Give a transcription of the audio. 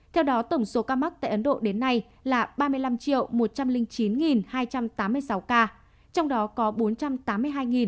theo đó tổng số ca mắc tại ấn độ đến nay là ba mươi năm một trăm linh chín hai trăm tám mươi sáu ca trong đó có bốn trăm tám mươi hai tám trăm bảy mươi sáu ca tử vong